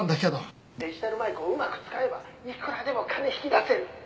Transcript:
「デジタル舞子をうまく使えばいくらでも金引き出せる」